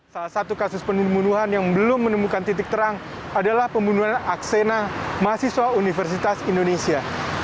salah satu kasus pembunuhan yang belum menemukan titik terang adalah pembunuhan aksena mahasiswa universitas indonesia